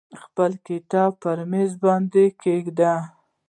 خپل کتاب پر میز باندې کیږدئ.